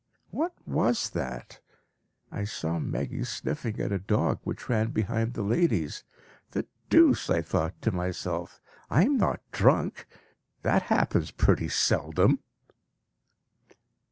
What was that? I saw Meggy sniffing at a dog which ran behind the ladies. The deuce! I thought to myself, "I am not drunk? That happens pretty seldom."